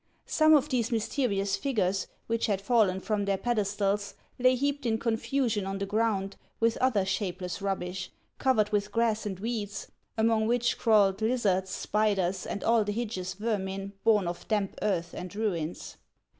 Some of these mysterious figures, which had fallen from their pedestals, lay heaped in confusion on the ground with other shape less rubbish, covered with grass and weeds, among which crawled lizards, spiders, and all the hideous vermin born of damp earth and ruins.